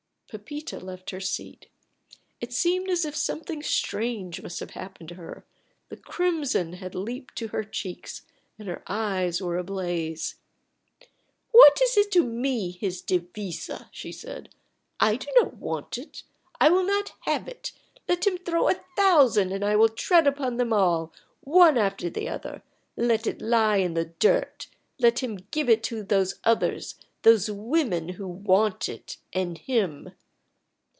Pepita left her seat. It seemed as if something strange must have happened to her. The crimson had leaped to her cheeks, and her eyes were ablaze. "What is it to me, his devisa?" she said. "I do not want it. I will not have it. Let him throw a thousand, and I will tread upon them all, one after the other. Let it lie in the dirt. Let him give it to those others, those women who want it and him."